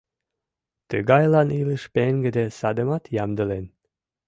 Тыгайлан илыш пеҥгыде садымат ямдылен.